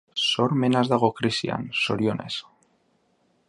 Sormena ez dago krisian, zorionez.